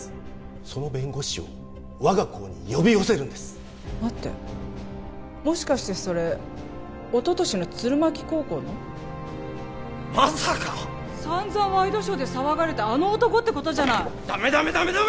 その弁護士を我が校に呼び寄せるんです待ってもしかしてそれおととしの弦巻高校の？まさかさんざんワイドショーで騒がれたあの男ってことじゃないダメダメダメダメ！